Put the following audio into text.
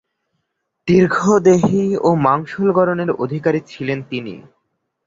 দীর্ঘদেহী ও মাংসল গড়নের অধিকারী ছিলেন তিনি।